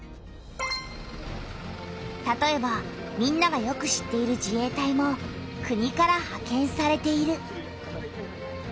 たとえばみんながよく知っている自衛隊も国からはけんされている。